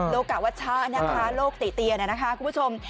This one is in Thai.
โกะวัชชะนะคะโลกติเตียนะคะคุณผู้ชม